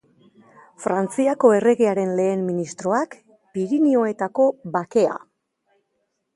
Frantziako erregearen lehen ministroak, Pirinioetako Bakea.